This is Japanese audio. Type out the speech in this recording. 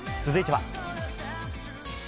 続いては。